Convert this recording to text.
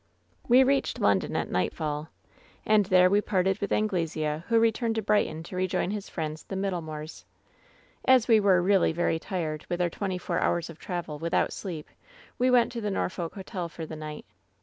"We reached London at nightfall. And there we parted with Anglesea, who returned to Brighton to re join his friends the Middlemoors. "As we were really very tired with our twenty four 170 WHEN SHADOWS DIE hours of travel, without sleep, we went to the Norfolk Hotel for the ni^ht.